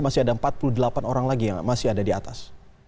masih ada empat puluh delapan orang lagi yang masih ada di atas